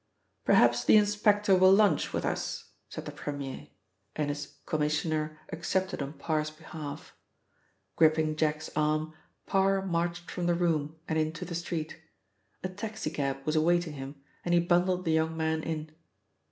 "Perhaps the inspector will lunch with us," said the Premier, and his Commissioner accepted on Parr's behalf. Gripping Jack's arm Parr marched from the room and into the street. A taxi cab was awaiting him and he bundled the young man in.